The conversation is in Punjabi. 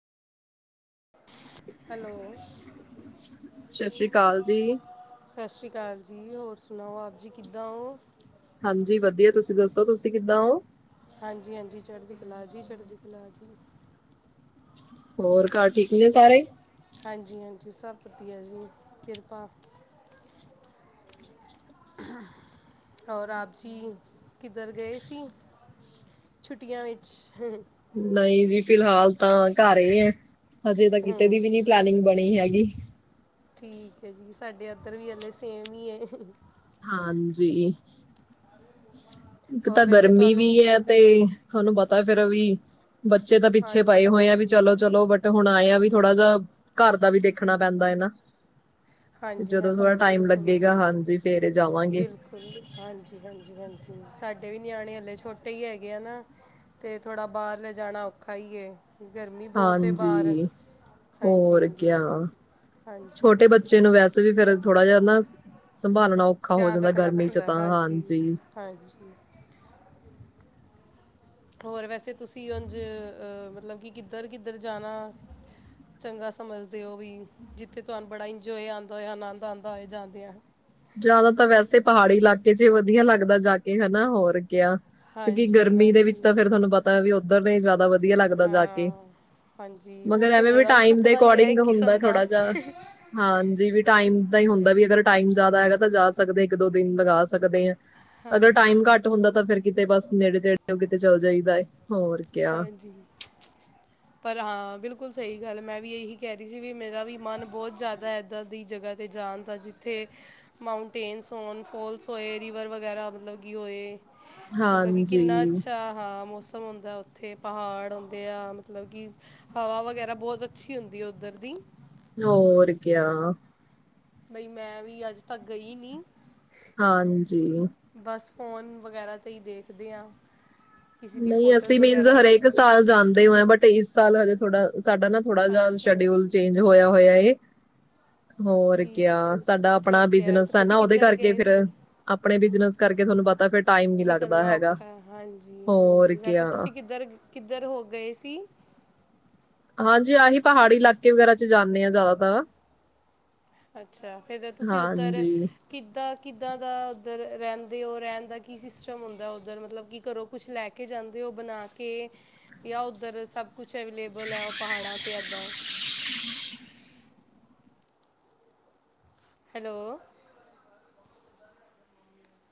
ਹੈਲੋ ਸਤਿ ਸ਼੍ਰੀ ਅਕਾਲ ਜੀ ਸਸਰੀਕਾਲ ਜੀ ਹੋਰ ਸੁਣਾਓ। ਆਪ ਜੀ ਕਿੱਦਾਂ ਓ। ਹਾਂਜੀ ਵਧੀਆ। ਤੁਸੀਂ ਦੱਸੋ ਤੁਸੀਂ ਕਿੱਦਾਂ ਓ। ਹਾਂਜੀ ਹਾਂਜੀ ਚੜ੍ਹਦੀ ਕਲਾ ਜੀ ਚੜ੍ਹਦੀ ਕਲਾ ਜੀ। ਹੋਰ ਘਰ ਠੀਕ ਨੇ ਸਾਰੇ। ਹਾਂਜੀ ਹਾਂਜੀ ਸਭ ਵਧੀਆ ਜੀ। ਕਿਰਪਾ ਹੋਰ ਆਪ ਜੀ ਕਿੱਧਰ ਗਏ ਸੀ। ਛੁੱਟੀਆਂ ਵਿੱਚ ਅਅਹ ਨਹੀਂ ਵੀ ਫਿਲਹਾਲ ਤਾਂ ਘਰ ਹੀ ਆ। ਹਜੇ ਤਾਂ ਕਿਤੇ ਦੀ ਵੀ ਨੀ ਪਲੈਨਿੰਗ ਬਣੀ ਨੀ ਹੈਗੀ। ਠੀਕ ਐ ਜੀ ਸਾਡੇ ਅੱਧਰ ਵੀ ਹਲੇ ਸੇਮ ਹੀ ਆ। ਹਾਂਜੀ ਇੱਕ ਤਾਂ ਹੋਰ ਵੈਸੇ ਗਰਮੀ ਵੀ ਤੁਹਾਨੂੰ ਐ। ਤੇ ਤੁਹਾਨੂੰ ਪਤਾ ਫੇਰ ਵੀ ਬੱਚੇ ਤਾਂ ਪਿੱਛੇ ਪਾਏ ਹਾਂਜੀ ਹੋਏ ਆ। ਵੀ ਚਲੋ ਚਲੋ ਬੱਟ ਤੇ ਹੁਣ ਆਏ ਆ ਵੀ ਥੋੜਾ ਜਾ ਘਰ ਦਾ ਵੀ ਦੇਖਣਾ ਪੈਂਦਾ ਐ ਨਾ। ਹਾਂਜੀ ਜਦੋਂ ਥੋੜਾ ਹਾਂਜੀ ਟਾਈਮ ਬਿਲਕੁਲ ਲੱਗੇਗਾ ਹਾਂਜੀ ਫੇਰ ਜਾਵਾਂਗੇ। ਬਿਲਕੁਲ ਹਾਂਜੀ ਹਾਂਜੀ ਸਾਡੇ ਵੀ ਨਿਆਣੇ ਹਲੇ ਛੋਟੇ ਹੀ ਹੈਗੇ ਆ ਨਾ। ਤੇ ਥੋੜ੍ਹਾ ਬਾਹਰ ਲੇੈ ਜਾਣਾ ਔਖਾ ਹੀ ਐ। ਗਰਮੀ ਬਹੁਤ ਐ ਬਾਹਰ। ਹਾਂਜੀ ਹਾਂਜੀ ਹੋਰ ਹਾਂਜੀ ਕਿਆ ਹਾਂਜੀ ਛੋਟੇ ਬੱਚੇ ਨੂੰ ਵੈਸੇ ਵੀ ਫਿਰ ਥੋੜ੍ਹਾ ਜਿਹਾ ਨਾ ਸੰਭਾਲਣਾ ਔਖਾ ਹੋ ਧਿਆਨ ਜਾਂਦਾ। ਰੱਖਣਾ ਗਰਮੀ 'ਚ ਪੈਂਦਾ ਹੈ, ਤਾ ਹਾਂਜੀ। ਹਾਂਜੀ ਹੋਰ ਵੈਸੇ ਤੁਸੀਂ ਉਝ ਅ ਮਤਲਬ ਕਿ ਕਿੱਧਰ ਕਿੱਧਰ ਜਾਣਾ। ਚੰਗਾ ਸਮਝਦੇ ਹੋ ਵੀ ਜਿੱਥੇ ਤੁਹਾਨੂੰ ਬੜਾ ਇੰਜੋਏ ਆਂਦਾ ਹੋਏ। ਆਨੰਦ ਆਂਦਾ ਹੋਏ ਜਾਂਦਿਆ ਆ। ਜ਼ਿਆਦਾ ਤਾਂ ਵੈਸੇ ਪਹਾੜੀ ਇਲਾਕੇ 'ਚ ਹੀ ਵਧੀਆ ਲੱਗਦਾ ਜਾ ਕੇ ਹਨਾ। ਹੋਰ ਕਿਆ ਕਿਉਂਕਿ ਹਾਂਜੀ ਗਰਮੀ ਦੇ ਵਿੱਚ ਹਾਂਜੀ ਤਾਂ ਫਿਰ ਤੁਹਾਨੂੰ ਪਤਾ ਵੀ ਉੱਧਰ ਦੇ ਜ਼ਿਆਦਾ ਵਧੀਆ ਲੱਗਦਾ ਜਾ ਕੇ ਹਾਂ ਹਾਂਜੀ ਉਹ ਮਗਰ ਤੇ ਐਵੇ ਮੇਰਾ ਵੀ ਟਾਇਮ ਦੇ ਸੁਪਨਾ ਹੀ ਹੈ ਅਕੋਡਿੰਗ ਇੱਕ ਹੁੰਦਾ ਕਿਸਮ ਦਾ ਥੋੜਾ ਜਾ। ਹਾਂਜੀ ਵੀ ਟਾਈਮ ਦਾ ਹੀ ਹੁੰਦਾ ਵੀ ਅਗਰ ਟਾਈਮ ਜਿਆਦਾਂ ਹੈਗਾ ਤਾਂ ਜਾ ਸਕਦੇ ਆ। ਇੱਕ ਦੋ ਦਿਨ ਲਗਾ ਸਕਦੇ ਆ। ਅਗਰ ਟਾਈਮ ਹਾਂਜੀ ਘੱਟ ਹੁੰਦਾ ਤਾਂ ਫੇਰ ਕਿਤੇ ਬਸ ਨੇੜੇ ਤੇੜੇ ਉਹ ਕਿਤੇ ਚੱਲ ਜਾਈਦਾ ਐ। ਹੋਰ ਕਿਆ। ਹਾਂਜੀ। ਪਰ ਹਾਂ ਬਿਲਕੁਲ ਸਹੀ ਗੱਲ ਮੈਂ ਵੀ ਇਹੀ ਕਹਿ ਰਹੀ ਸੀ ਵੀ ਮੇਰਾ ਵੀ ਮਨ ਬਹੁਤ ਜ਼ਿਆਦਾ ਇੱਦਾਂ ਦੀ ਜਗ੍ਹਾਂ ਤੇ ਜਾਣ ਦਾ ਜਿੱਥੇ ਮਾਊਂਟੇਨਸ ਹੋਣ, ਫੋਲਸ ਹੋਏ, ਰੀਵਰ ਵਗੈਰਾ ਮਤਲਬ ਕਿ ਹੋਏ ਮਤਲਬ ਕਿ ਕਿੰਨਾ ਹਾਂਜੀ ਅੱਛਾ ਹਾਂ, ਮੌਸਮ ਹੁੰਦਾ ਉੱਥੇ ਪਹਾੜ ਆਉਂਦੇ ਆ, ਮਤਲਬ ਕਿ ਹਵਾ ਵਗੈਰਾ ਬਹੁਤ ਅੱਛੀ ਹੁੰਦੀ ਆ ਉੱਧਰ ਦੀ ਹੋਰ ਕਿਆ। ਬਈ ਮੈਂ ਵੀ ਅੱਜ ਤੱਕ ਗਈ ਨੀ। ਹਾਂਜੀ। ਬੱਸ ਫੋਨ ਵਗੈਰਾ 'ਤੇ ਹੀ ਦੇਖਦੇ ਆ। ਨਹੀਂ ਅਸੀਂ ਮੀਨਸ ਹਰੇਕ ਇਸ ਸਾਲ ਜਾਂਦੇ ਹੋਏ ਬਟ ਇਸ ਸਾਲ ਹਜੇ ਥੋੜਾ ਸਾਡਾ ਨਾ ਥੋੜਾ ਜਿਹਾ ਅੱਛਾ ਸ਼ਡਿਊਲ ਚੇਂਜ ਹੋਇਆ-ਹੋਇਆ ਏ। ਹੋਰ ਠੀਕ ਕਿਆ, ਸਾਡਾ ਆਪਣਾ ਠੀਕ ਹੈ ਵੈਸੇ ਬਿਜਨਸ ਐ ਤੁਸੀਂ ਨਾ ਉਹਦੇ ਕਿੱਧਰ ਕਰਕੇ ਗਏ ਫਿਰ ਸੀ ਆਪਣੇ ਬਿਜਨਸ ਕਰਕੇ ਤੁਹਾਨੂੰ ਪਤਾ ਫਿਰ ਟਾਈਮ ਨੀ ਲੱਗਦਾ ਹੈਗਾ। ਹੋਰ ਹਾਂਜੀ-ਹਾਂਜੀ, ਵੈਸੇ ਕਿਆ। ਤੁਸੀਂ ਕਿੱਧਰ-ਕਿੱਧਰ ਹੋ ਗਏ ਸੀ। ਹਾਂਜੀ ਆਹੀ ਪਹਾੜੀ ਇਲਾਕੇ ਵਗੈਰਾ 'ਚ' ਜਾਂਣੇ ਆ ਜ਼ਿਆਦਾਤਰ ਅੱਛਾ, ਫਿਰ ਤੁਸੀਂ ਉੱਧਰ ਹਾਂਜੀ। ਕਿੱਦਾਂ-ਕਿੱਦਾਂ ਦਾ ਉੱਧਰ ਰਹਿੰਦੇ ਹੋ ਰਹਿਣ ਦਾ ਕੀ ਸਿਸਟਮ ਹੁੰਦਾ ਉੱਧਰ ਮਤਲਬ ਕੀ ਕਰੋ ਕੁਛ ਲੈ ਕੇ ਜਾਂਦੇ ਹੋ ਬਣਾ ਕੇ, ਜਾਂ ਉੱਧਰ ਸਭ ਕੁਛ ਅਵੇਲੇਬਲ ਐ, ਉਹ ਪਹਾੜਾਂ ਅਤੇ ਇੱਦਾਂ ਹੈਲੋ।